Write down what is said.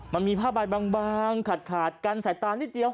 มันมีผ้าใบบางขาดกันใส่ตานิดเดียว